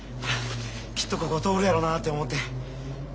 きっとここ通るやろうなって思うて。